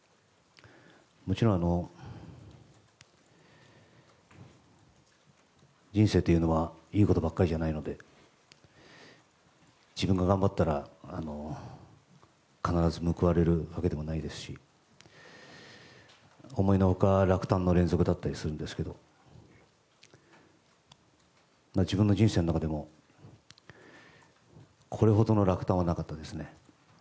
もちろん、人生というのはいいことばかりじゃないので自分が頑張ったら必ず報われるわけでもないですし思いの外、落胆の連続だったりするんですけど自分の人生の中でもこれほどの落胆はなかったですね。